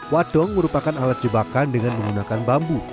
wadong merupakan alat jebakan dengan menggunakan bambu